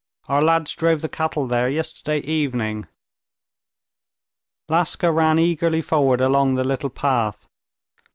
Our lads drove the cattle there yesterday evening." Laska ran eagerly forward along the little path.